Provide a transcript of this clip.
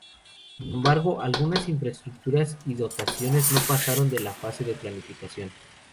Sin embargo, algunas infraestructuras y dotaciones no pasaron de la fase de planificación.